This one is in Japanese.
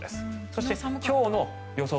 そして今日の予想